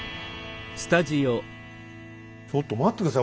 ちょっと待って下さい！